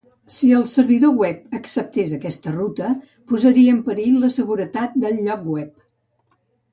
Si el servidor web acceptés aquesta ruta, posaria en perill la seguretat del lloc web.